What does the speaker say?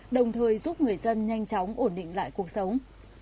đồng thời giúp người dân nhanh chóng ổn định lại cuộc sống